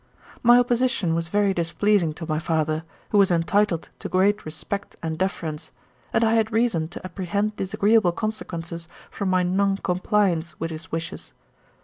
My opposition was very displeasing to my father, who was entitled to great respect and deference; and I had reason to apprehend disagreeable consequences from my non compliance with his wishes.